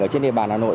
ở trên địa bàn hà nội